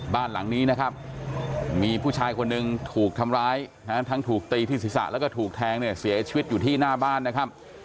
บ้านหลังนี้นะครับมีผู้ชายคนหนึ่งถูกทำร้ายทั้งถูกตีที่ศีรษะแล้วก็ถูกแทงเนี่ยเสียชีวิตอยู่ที่หน้าบ้านนะครับ